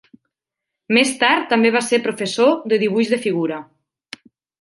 Més tard també va ser professor de dibuix de figura.